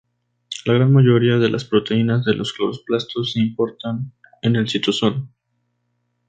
La gran mayoría de las proteínas de los cloroplastos se importan en el citosol.